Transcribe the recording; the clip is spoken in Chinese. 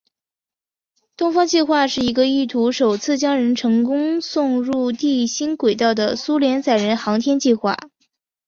东方计划是一个意图首次将人成功地送入地心轨道的苏联载人航天计划。